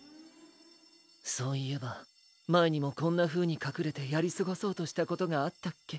そういえばまえにもこんなふうにかくれてやりすごそうとしたことがあったっけ。